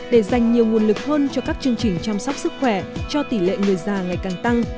để dành nhiều nguồn lực hơn cho các chương trình chăm sóc sức khỏe cho tỷ lệ người già ngày càng tăng